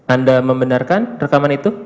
anda membenarkan rekaman itu